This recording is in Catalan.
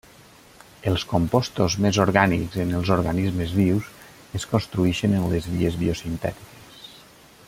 Els compostos més orgànics en els organismes vius es construeixen en les vies biosintètiques.